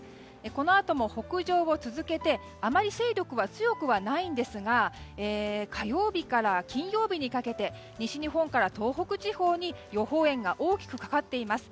このあとも北上を続けてあまり勢力は強くはないんですが火曜日から金曜日にかけて西日本から東北地方に予報円が大きくかかっています。